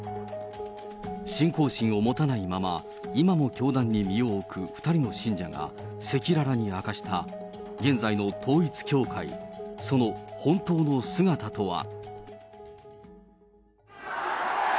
信仰心を持たないまま今も教団に身を置く２人の信者が、赤裸々に明かした現在の統一教会、その本当の姿とは。